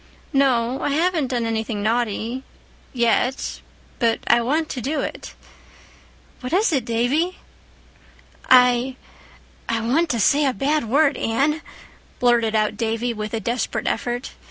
"No, I haven't done anything naughty—yet. But I want to do it." "What is it, Davy?" "I—I want to say a bad word, Anne," blurted out Davy, with a desperate effort.